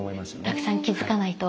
たくさん気付かないと！